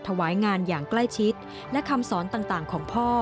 ถวายงานอย่างใกล้ชิดและคำสอนต่างของพ่อ